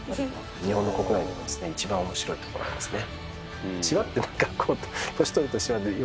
日本の国内の一番面白いところですね。